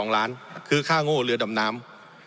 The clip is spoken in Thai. ๒๑๗๒๒ล้านบาทคือค่าโง่เรือดำน้ำ